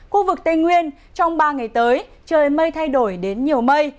khu vực tây nguyên trong ba ngày tới trời mây thay đổi đến nhiều mây